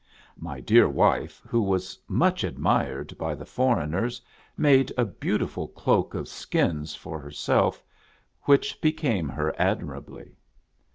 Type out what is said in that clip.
My dear wife, who was much admired by the for eigners, made a beautiful cloak of skins for herself, which became her admirably.